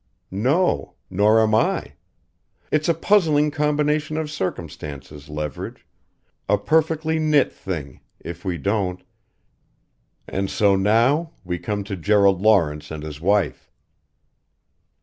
"No. Nor am I. It's a puzzling combination of circumstances, Leverage: a perfectly knit thing if we don't and so now we come to Gerald Lawrence and his wife."